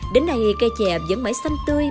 đến nay cây chè vẫn mãi xanh tươi